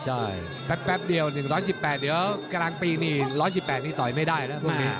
ใช่แป๊บเดียว๑๑๘เดี๋ยวกลางปีนี่๑๑๘นี่ต่อยไม่ได้นะพรุ่งนี้